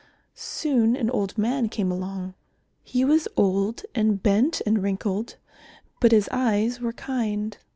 Soon an old man came along. He was old and bent and wrinkled, but his eyes were kind.